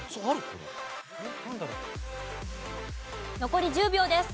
残り１０秒です。